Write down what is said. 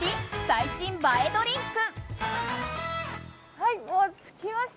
最新映えドリンク。